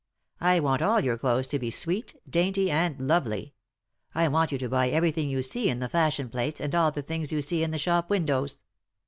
I want all your clothes to be sweet, dainty, and lovely ; I want you to buy every thing you see in the fashion plates and all the things you see in the shop windows."